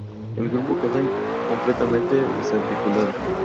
El grupo quedó completamente desarticulado.